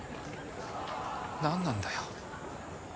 何なんだよ